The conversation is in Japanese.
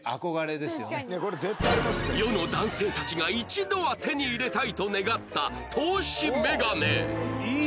世の男性たちが一度は手に入れたいと願った透視メガネ